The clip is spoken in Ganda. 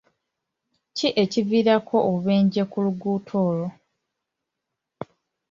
Ki ekiviirako obubenje ku luguudo olwo?